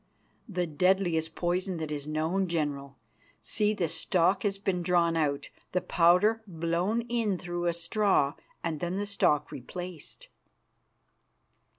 "The deadliest poison that is known, General. See, the stalk has been drawn out, the powder blown in through a straw, and then the stalk replaced."